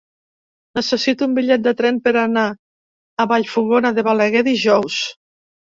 Necessito un bitllet de tren per anar a Vallfogona de Balaguer dijous.